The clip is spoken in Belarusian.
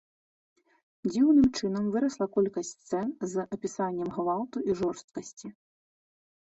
Дзіўным чынам вырасла колькасць сцэн з апісаннем гвалту і жорсткасці.